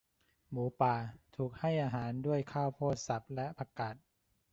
หมูป่าถูกให้อาหารด้วยข้าวโพดสับและ ผักกาด